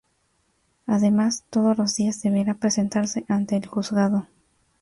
Además, todos los días deberá presentarse ante el juzgado.